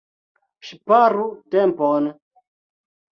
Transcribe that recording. Ŝparu tempon!